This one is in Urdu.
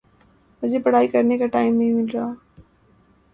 مجھے پڑھائی کرنے کا ٹائم نہیں مل رہا